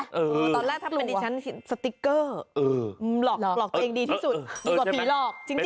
ตอนแรกถ้าเป็นดิฉันสติ๊กเกอร์หลอกตัวเองดีที่สุดดีกว่าผีหลอกจริง